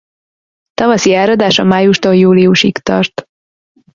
Tavaszi áradása májustól júliusig tart.